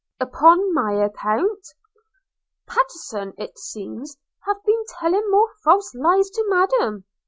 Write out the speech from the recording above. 'Upon my account!' – 'Pattenson it seems have been telling more false lies to Madam.